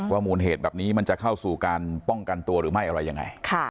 มูลเหตุแบบนี้มันจะเข้าสู่การป้องกันตัวหรือไม่อะไรยังไง